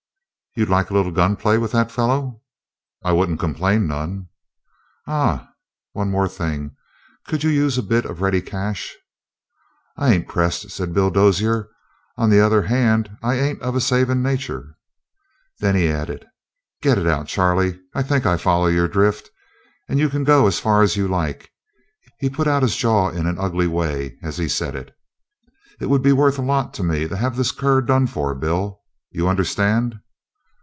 "You'd like a little gun play with that fellow?" "I wouldn't complain none." "Ah? One more thing. Could you use a bit of ready cash?" "I ain't pressed," said Bill Dozier. "On the other hand, I ain't of a savin' nature." Then he added: "Get it out, Charlie. I think I follow your drift. And you can go as far as you like." He put out his jaw in an ugly way as he said it. "It would be worth a lot to me to have this cur done for, Bill. You understand?"